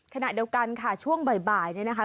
ขณะเดียวกันค่ะช่วงบ่ายเนี่ยนะคะ